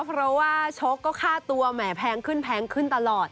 เพราะว่าชกก็ค่าตัวแหมแพงขึ้นแพงขึ้นตลอด